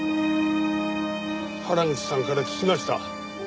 原口さんから聞きました。